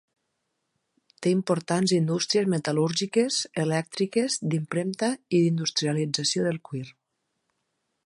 Té importants indústries metal·lúrgiques, elèctriques, d'impremta i d'industrialització del cuir.